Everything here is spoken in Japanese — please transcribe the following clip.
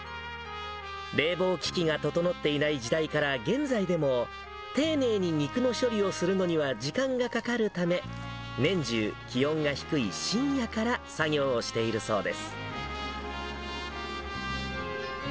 冷房機器が整っていない時代から現在でも、丁寧に肉の処理をするのには時間がかかるため、年中、気温が低い深夜から作業をしているそうです。